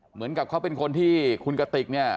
เหมือนกับเขาเป็นคนที่คุณกติกเนี่ย